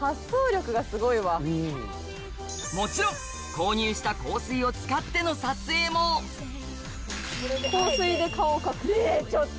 もちろん購入した香水を使っての撮影もねぇちょっと。